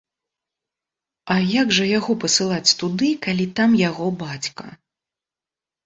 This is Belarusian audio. А як жа яго пасылаць туды, калі там яго бацька.